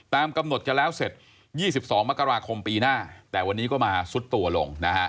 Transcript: กำหนดจะแล้วเสร็จ๒๒มกราคมปีหน้าแต่วันนี้ก็มาซุดตัวลง